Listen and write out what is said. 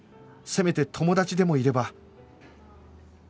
せめて友達でもいれば